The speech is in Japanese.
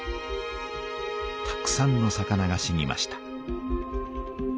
たくさんの魚が死にました。